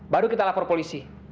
baru kita lapar polisi